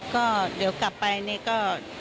ก็เดี๋ยวกลับไปนี่ก็